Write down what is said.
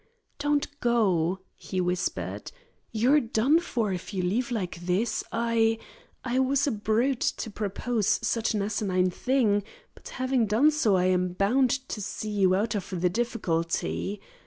"Don't go," he whispered. "You're done for if you leave like this. I I was a brute to propose such an asinine thing, but having done so I am bound to see you out of the difficulty.